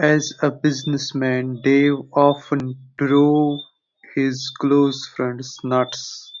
As a businessman, Dave often drove his close friends nuts.